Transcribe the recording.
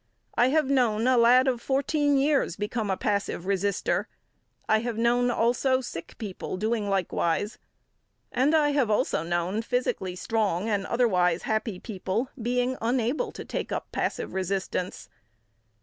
I have known a lad of fourteen years become a passive resister; I have known also sick people doing likewise and I have also known physically strong and otherwise happy people being unable to take up passive resistance.